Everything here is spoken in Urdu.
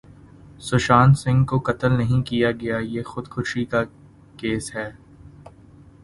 سشانت سنگھ کو قتل نہیں کیا گیا یہ خودکشی کا کیس ہے